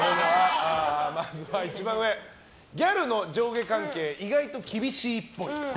まずは、ギャルの上下関係意外と厳しいっぽい。